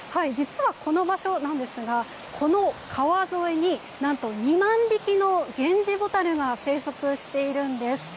実はこの場所なんですがこの川沿いに、何と２万匹のゲンジボタルが生息しているんです。